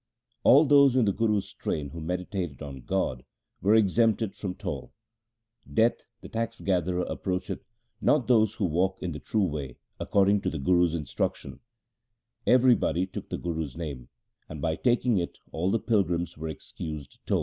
All those in the Guru's train who meditated on God, were exempted from toll — Death the tax gatherer approacheth not those who walk in the true way according to the Guru's instruction — Everybody took the Guru's name, and by taking it all the pilgrims were excused toll.